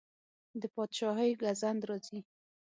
په پادشاهۍ ګزند راځي.